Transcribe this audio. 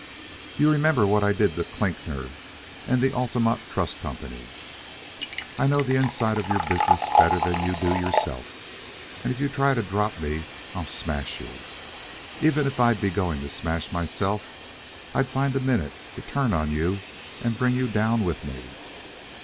You remember what I did to Klinkner and the Altamont Trust Company? I know the inside of your business better than you do yourself, and if you try to drop me I'll smash you. Even if I'd be going to smash myself, I'd find a minute to turn on you and bring you down with me.